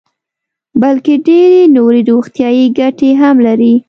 بلکې ډېرې نورې روغتیايي ګټې هم لري.